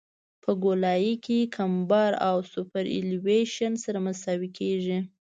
په ګولایي کې کمبر او سوپرایلیویشن سره مساوي کیږي